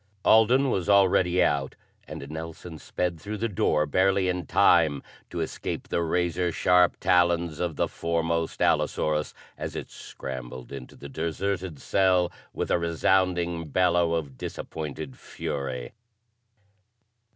Alden was already out and Nelson sped through the door barely in time to escape the razor sharp talons of the foremost allosaurus as it scrambled into the deserted cell with a resounding bellow of disappointed fury.